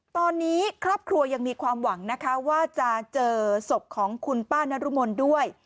ตอนนี้ครอบครัวยังมีความหวังนะคะว่าจะเจอศพของคุณป้านรุมลด้วย